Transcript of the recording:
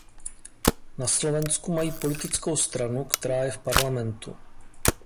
Na Slovensku mají politickou stranu, která je v parlamentu.